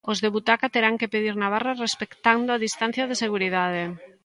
Os de butaca terán que pedir na barra respectando a distancia de seguridade.